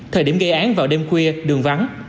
thời điểm gây án vào đêm khuya đường vắng